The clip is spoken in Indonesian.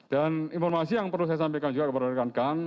dan informasi yang perlu saya sampaikan juga kepada rekan rekan